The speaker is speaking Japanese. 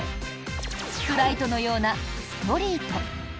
スプライトのようなストリート。